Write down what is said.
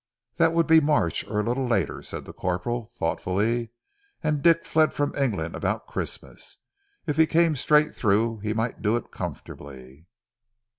"That would be March or a little later," said the corporal thoughtfully. "And Dick fled from England about Christmas. If he came straight through he might do it comfortably."